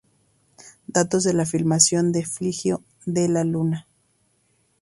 Datos de la filmación de "Figlio della Luna"